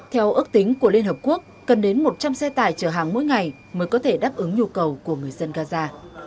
theo ước tính của liên hợp quốc cần đến một trăm linh xe tải chở hàng mỗi ngày mới có thể đáp ứng nhu cầu của người dân gaza